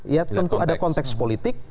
ya tentu ada konteks politik